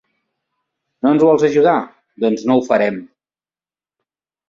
No ens vols ajudar?; doncs no ho farem!